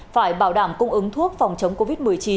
phải bảo đảm cung ứng thuốc phòng chống covid một mươi chín